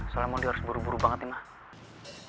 soalnya mon harus buru buru banget ya mak